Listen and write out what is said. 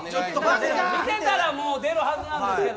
見てたら出るはずなんですけど。